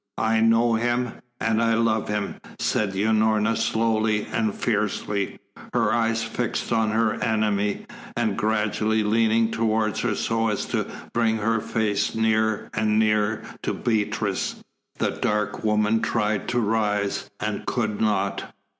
"I know him and I love him," said Unorna slowly and fiercely, her eyes fixed on her enemy, and gradually leaning towards her so as to bring her face nearer and nearer to Beatrice. The dark woman tried to rise, and could not.